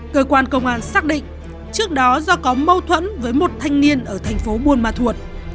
cơ quan công an xác định trước đó do có mâu thuẫn với một thanh niên ở thành phố buôn ma thuột